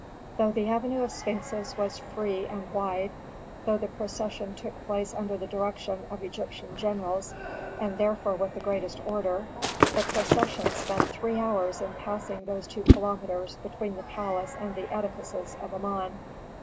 Though the avenue of sphinxes was free and wide; though the procession took place under the direction of Egyptian generals, and therefore with the greatest order, the procession spent three hours in passing those two kilometres between the palace and the edifices of Amon.